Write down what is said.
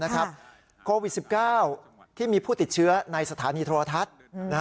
โควิด๑๙ที่มีผู้ติดเชื้อในสถานีโทรทัศน์